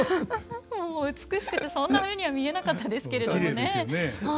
もう美しくてそんなふうには見えなかったですけれどもね。